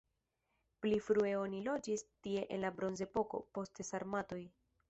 Pli frue oni loĝis tie en la bronzepoko, poste sarmatoj.